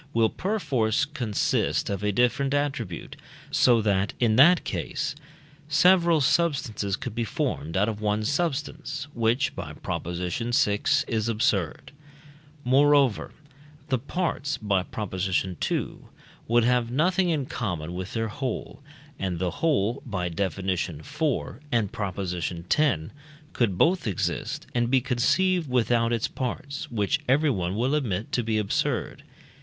will perforce consist of a different attribute, so that, in that case, several substances could be formed out of one substance, which (by Prop. vi.) is absurd. Moreover, the parts (by Prop. ii.) would have nothing in common with their whole, and the whole (by Def. iv. and Prop. x.) could both exist and be conceived without its parts, which everyone will admit to be absurd.